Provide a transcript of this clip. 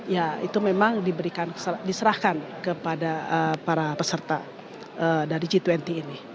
ya itu memang diserahkan kepada para peserta dari g dua puluh ini